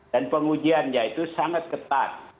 dan pengujiannya itu sangat ketat